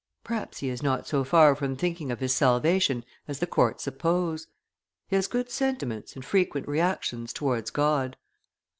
Perhaps he is not so far from thinking of his salvation as the court suppose. He has good sentiments and frequent reactions towards God."